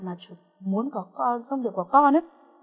mà muốn không được có con